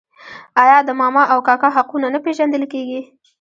آیا د ماما او کاکا حقونه نه پیژندل کیږي؟